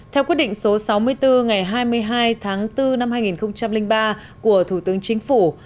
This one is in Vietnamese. theo quyết định số sáu mươi bốn ngày hai mươi hai tháng bốn năm hai nghìn ba của thủ tướng chính phủ